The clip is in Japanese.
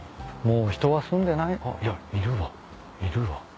もう人は住んでないあっいやいるわ。